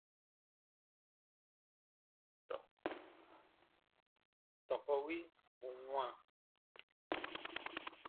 Tɔkɔ wi ù n wãa,